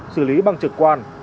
xử lý bằng trực quan